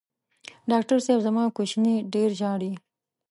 ډاکټر صېب زما کوچینی ډېر ژاړي